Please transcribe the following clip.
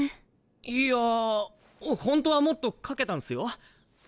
いやほんとはもっと描けたんすよ。